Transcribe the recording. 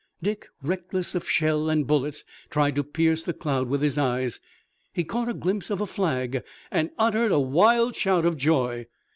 Dick, reckless of shell and bullets, tried to pierce the cloud with his eyes. He caught a glimpse of a flag and uttered a wild shout of joy.